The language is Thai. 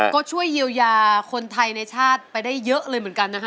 ก็ช่วยเยียวยาคนไทยในชาติไปได้เยอะเลยเหมือนกันนะคะ